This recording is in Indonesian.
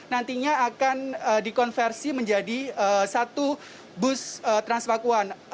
nantinya akan dikonversi menjadi satu bus transpakuan